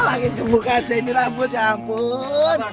bangin kebuka aja ini rambut ya ampun